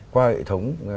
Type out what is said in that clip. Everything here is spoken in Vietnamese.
qua hệ thống